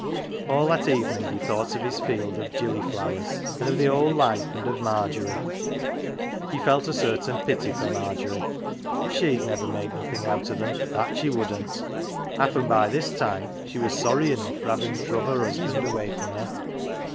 All that evening he thought of his field of gilly flowers and of the old life and of Margery. He felt a certain pity for Margery she'd never make nothing out of them, that she wouldn't ! Happen, by this time she was sorry enough for having " druv " her husband away from her.